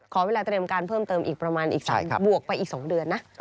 ขอเวลาเตรียมการเพิ่มเติมอีกประมาณอีก๒บวกไปอีก๒เดือนนะ